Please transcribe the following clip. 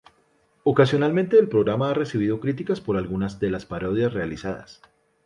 Ocasionalmente, el programa ha recibido críticas por algunas de las parodias realizadas.